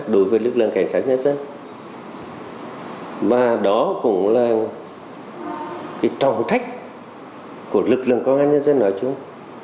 đối với lực lượng cảnh sát nhân dân và đó cũng là cái trọng thách của lực lượng công an nhân dân nói chung